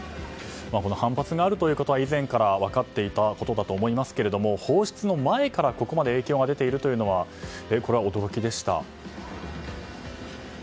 反発があることは以前から分かっていたと思いますが放出の前からここまで影響が出ているのは驚きでした。